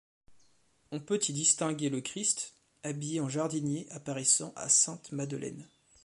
On peut y distinguer le Christ, habillé en jardinier apparaissant à Sainte Madeleine.